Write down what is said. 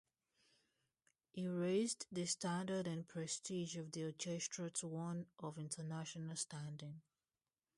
He raised the standard and prestige of the orchestra to one of international standing.